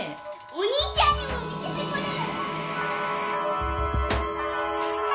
お兄ちゃんにも見せてくる。